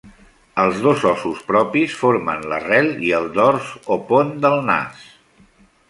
Els dos ossos propis formen l'arrel i el dors o pont del nas.